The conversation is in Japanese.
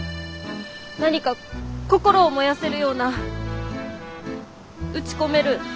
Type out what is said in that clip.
何か心を燃やせるような打ち込める